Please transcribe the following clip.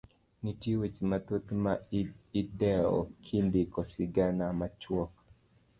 Nitie weche mathoth ma idewo kindiko sigana machuok.